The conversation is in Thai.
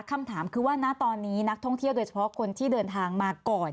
คำถามคือว่าณตอนนี้นักท่องเที่ยวโดยเฉพาะคนที่เดินทางมาก่อน